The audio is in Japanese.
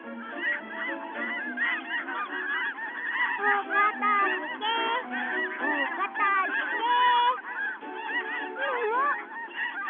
おかたづけおかたづけ。ももっ！？